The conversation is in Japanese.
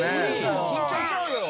緊張しちゃうよ。